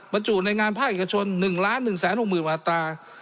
บรรจุในงานภาคเอกชน๑๑๖๐๐๐อัตรา